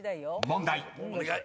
［問題］